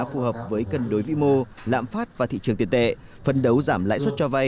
phù hợp với cân đối vĩ mô lạm phát và thị trường tiền tệ phân đấu giảm lãi suất cho vay